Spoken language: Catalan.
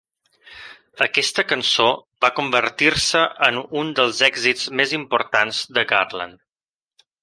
Aquesta cançó va convertir-se en un dels èxits més importants de Garland.